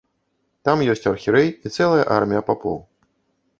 Там ёсць архірэй і цэлая армія папоў.